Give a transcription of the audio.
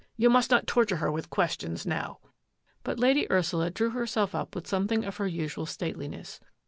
You must not torture her with questions now." But Lady Ursula drew herself up with some thing of her usual stateliness.